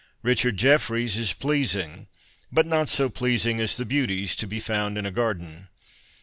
Richard Jefferies is pleasing, but not so pleasing as the beauties to be found in a garden.